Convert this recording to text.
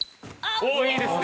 おおっいいですね。